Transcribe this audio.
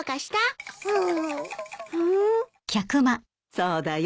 そうだよ。